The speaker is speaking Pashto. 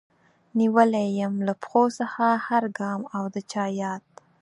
نيولی يم له پښو څخه هر ګام او د چا ياد